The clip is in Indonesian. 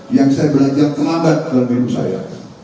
yang saya belajar terlambat dalam diri saya